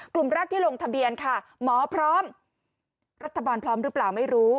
กลุ่มแรกที่ลงทะเบียนค่ะหมอพร้อมรัฐบาลพร้อมหรือเปล่าไม่รู้